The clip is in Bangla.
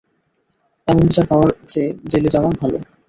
এমন বিচার পাওয়ার চেয়ে জেলে যাওয়া ভালো।